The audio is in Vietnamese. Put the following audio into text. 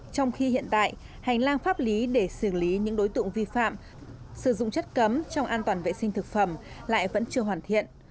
trong khi hiện tại hành lang pháp lý để xử lý những đối tượng vi phạm sử dụng chất cấm trong an toàn vệ sinh thực phẩm lại vẫn chưa hoàn thiện